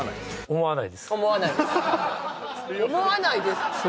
思わないです